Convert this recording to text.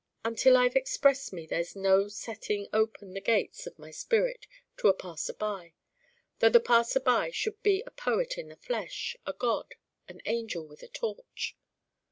Until I've Expressed me there's no setting open the gates of my spirit to a passer by, though the passer by should be a poet in the flesh, a god, an angel with a torch.